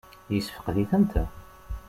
Yessefqed-itent?